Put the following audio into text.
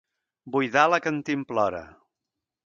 Buidar la cantimplora.